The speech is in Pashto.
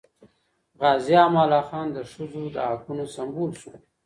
غازي امان الله خان د ښځو د حقونو سمبول سو.